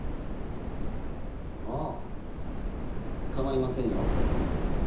ああ構いませんよ。